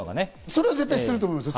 それはすると思いますよ。